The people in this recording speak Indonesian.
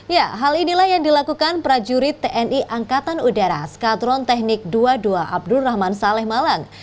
ya hal inilah yang dilakukan prajurit tni angkatan udara skadron teknik dua puluh dua abdul rahman saleh malang